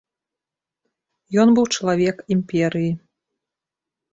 Ён быў чалавек імперыі.